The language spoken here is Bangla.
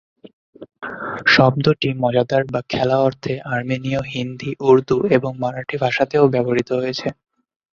শব্দটি "মজাদার" বা "খেলা" অর্থে আর্মেনীয়, হিন্দি, উর্দু এবং মারাঠি ভাষাতেও ব্যবহৃত হয়েছে।